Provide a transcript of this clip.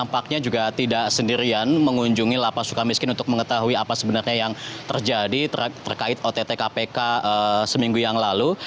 nampaknya juga tidak sendirian mengunjungi lapas suka miskin untuk mengetahui apa sebenarnya yang terjadi terkait ott kpk seminggu yang lalu